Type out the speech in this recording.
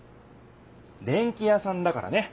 電器屋さんだからね！